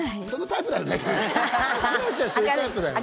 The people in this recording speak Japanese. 輝星ちゃんそういうタイプだよね。